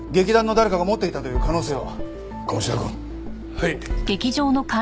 はい。